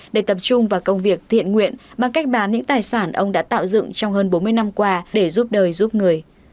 để tập trung vào công việc thiện nguyện bằng cách bán những tài sản ông đã tạo dựng trong hơn bốn mươi năm qua để giúp đời giúp người